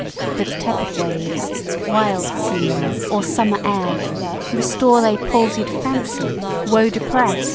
But tepid waves, wild scenes, or summer air, Restore they palsied Fancy, woe deprest?